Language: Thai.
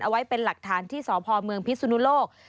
เอาไว้เป็นหลักฐานที่สพพิสุนุโลก